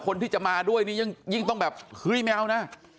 คนที่จะมาด้วยนี่ยิ่งต้องแบบเฮ้ยไม่เอานะ